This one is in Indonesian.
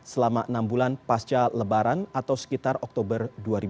selama enam bulan pasca lebaran atau sekitar oktober dua ribu dua puluh